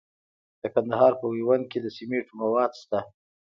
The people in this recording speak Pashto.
د کندهار په میوند کې د سمنټو مواد شته.